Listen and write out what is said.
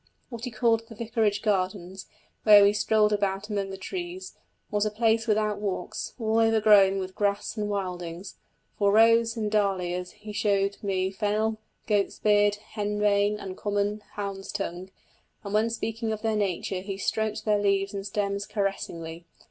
What he called the vicarage gardens, where we strolled about among the trees, was a place without walks, all overgrown with grass and wildings; for roses and dahlias he showed me fennel, goat's beard, henbane, and common hound's tongue; and when speaking of their nature he stroked their leaves and stems caressingly.